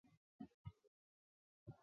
我难道是一个苟且偷生的人吗？